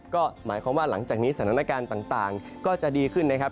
ก็หมายความว่าหลังจากนี้สถานการณ์ต่างก็จะดีขึ้นนะครับ